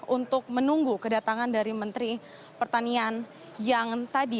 untuk menunggu kedatangan dari menteri pertanian yang tadi